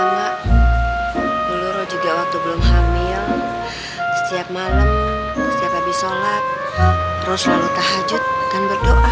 lalu ruh juga waktu belum hamil setiap malam setiap habis sholat ruh selalu tahajud dan berdoa